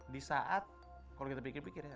di saat kalau kita pikir pikir ya